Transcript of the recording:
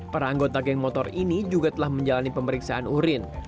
para anggota geng motor ini juga telah menjalani pemeriksaan urin